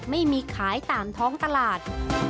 ไม่มีขายตามท้องตลาด